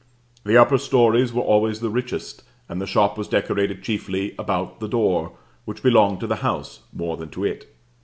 The upper stories were always the richest, and the shop was decorated chiefly about the door, which belonged to the house more than to it.